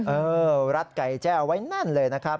รัดไก่แจ้เอาไว้แน่นเลยนะครับ